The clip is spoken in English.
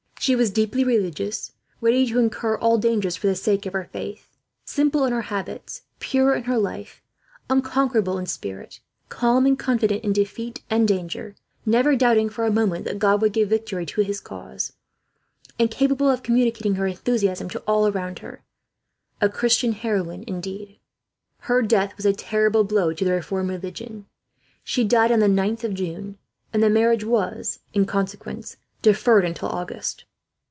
She was deeply religious, ready to incur all dangers for the sake of her faith, simple in her habits, pure in her life, unconquerable in spirit, calm and confident in defeat and danger, never doubting for a moment that God would give victory to his cause, and capable of communicating her enthusiasm to all around her a Christian heroine, indeed. Her death was a terrible blow to the Reformed religion. She died on the 9th of June, and the marriage was, in consequence, deferred until August.